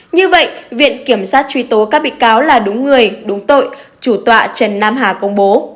như vậy viện kiểm sát truy tố các bị cáo là đúng người đúng tội chủ tọa trần nam hà công bố